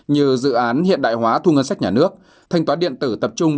như dự án hiện đại hóa thu ngân sách nhà nước thanh toán điện tử tập trung